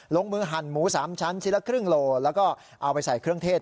ลงมือหั่นหมู๓ชั้นชิ้นละครึ่งโลแล้วก็เอาไปใส่เครื่องเทศ